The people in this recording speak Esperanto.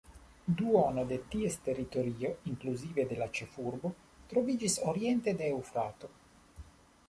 Duono de ties teritorio, inkluzive de la ĉefurbo, troviĝis oriente de Eŭfrato.